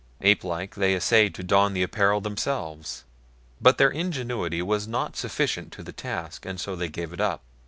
Apelike, they essayed to don the apparel themselves, but their ingenuity was not sufficient to the task and so they gave it up.